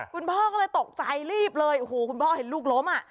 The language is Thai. คุณพ่อก็เลยตกใจรีบเลยโอ้โหคุณพ่อเห็นลูกล้มอ่ะ